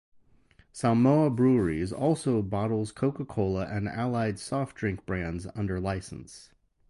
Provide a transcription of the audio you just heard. Samoa Breweries also bottles Coca-Cola and allied soft-drink brands under licence.